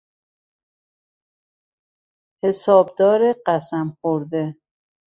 حسابدار قسم خورده